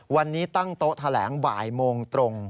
วันนี้ตั้งโต๊ะแถลงบ่ายโมงตรง